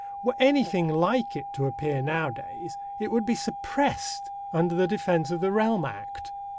Were anything like it to appear nowadays, it would be suppressed under the Defence of the Realm Act.